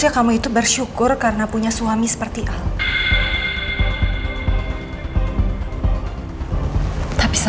kamu adalah perempuan yang sangat jahat